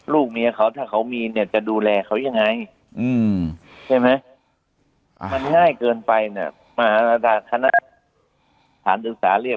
ลูกเมียเขาถ้าเขามีเนี่ยจะดูแลเขาอย่างไง